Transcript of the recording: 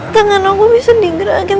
tangan aku bisa di gerakin